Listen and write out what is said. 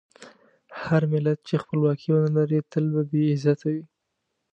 هر ملت چې خپلواکي ونه لري، تل به بې عزته وي.